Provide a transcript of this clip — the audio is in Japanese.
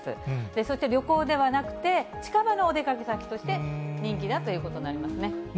そして旅行ではなくて、近場のお出かけ先として人気だということになりますね。